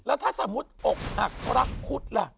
แล้วถ้าสมมุติอกหักรักพุทธล่ะ